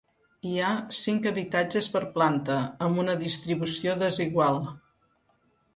Hi ha cinc habitatges per planta amb una distribució desigual.